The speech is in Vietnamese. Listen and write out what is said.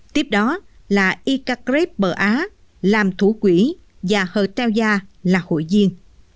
tiếp đó là ica crepe bờ á làm thủ quỹ và hợt teo gia là hội diên